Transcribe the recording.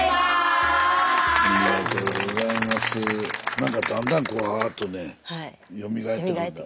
何かだんだんこうわっとねよみがえってくる。